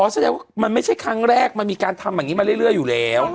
แสดงว่ามันไม่ใช่ครั้งแรกมันมีการทำอย่างนี้มาเรื่อยอยู่แล้ว